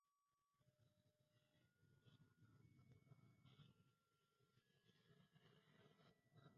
Allí conoció a Louis Armstrong e inició una larga amistad con Charlie Chaplin.